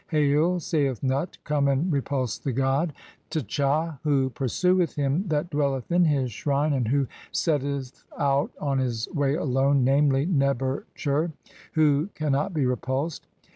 'Hail', saith Nut, 'Come and repulse the god (18) 'Tcha who pursueth him that dwelleth in his shrine and who 'setteth out on his way alone, namely, Neb er tcher, who can 'not be repulsed.'